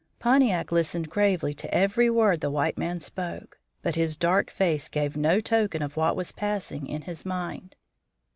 Pontiac listened gravely to every word the white man spoke. But his dark face gave no token of what was passing in his mind.